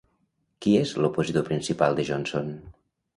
Qui és l'opositor principal de Johnson?